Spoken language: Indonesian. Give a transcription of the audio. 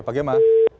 oke pak gemma